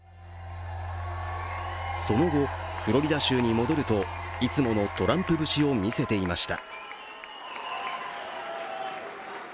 その後、フロリダ州に戻るといつものトランプ節をみせていました。